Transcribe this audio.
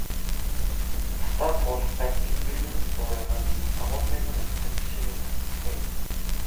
Бусдаас хуулахдаа хэлбэрийг нь дуурайгаад, агуулгыг нь орхидог жишиг энд давтагдсан хэрэг.